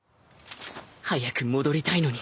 早く戻りたいのに